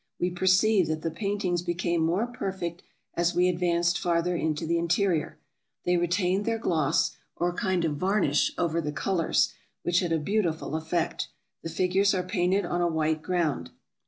We perceived that the paintings became more per fect as we advanced farther into the interior. They retained their gloss, or a kind of varnish over the colors, which had a beautiful effect. The figures are painted on a white ground.